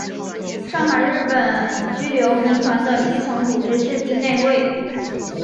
上海日本居留民团的基层组织是町内会。